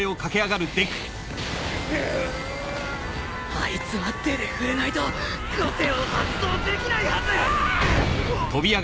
あいつは手で触れないと個性を発動できないはず！